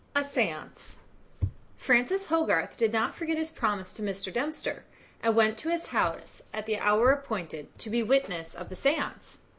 A Seance Francis Hogarth did not forget his promise to Mr. Dempster, and went to his house at the hour appointed, to be witness of the seance.